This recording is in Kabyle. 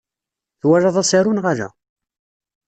Twalaḍ asaru neɣ ala?